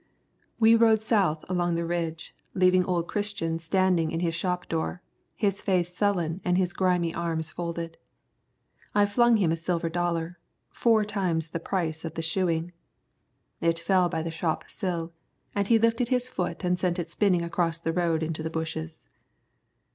We rode south along the ridge, leaving old Christian standing in his shop door, his face sullen and his grimy arms folded. I flung him a silver dollar, four times the price of the shoeing. It fell by the shop sill, and he lifted his foot and sent it spinning across the road into the bushes.